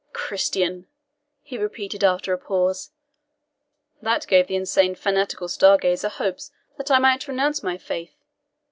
Christian!" he repeated, after a pause. "That gave the insane fanatic star gazer hopes that I might renounce my faith!